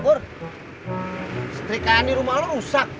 pur setrika ani rumah lo rusak